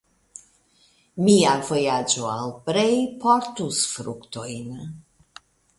Mia vojaĝo al Brej portus fruktojn.